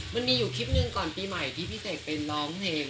มันมีอยู่คลิปหนึ่งก่อนปีใหม่ที่พี่เสกไปร้องเพลง